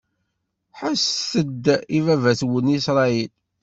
Ḥesset-d i baba-twen Isṛayil!